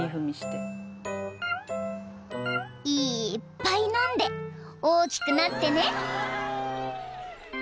［いっぱい飲んで大きくなってね］